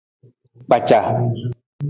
Kpaca.